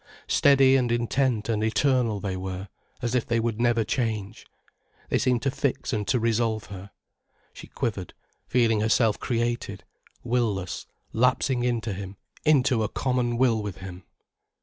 Steady and intent and eternal they were, as if they would never change. They seemed to fix and to resolve her. She quivered, feeling herself created, will less, lapsing into him, into a common will with him.